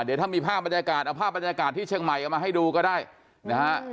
เดี๋ยวถ้ามีภาพบรรยากาศเอาภาพบรรยากาศที่เชียงใหม่เอามาให้ดูก็ได้นะฮะ